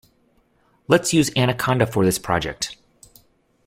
Let's use Anaconda for this project.